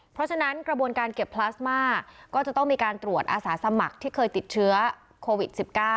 เพราะฉะนั้นกระบวนการเก็บพลาสมาก็จะต้องมีการตรวจอาสาสมัครที่เคยติดเชื้อโควิด๑๙